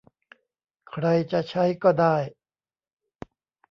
ใครจะใช้ก็ได้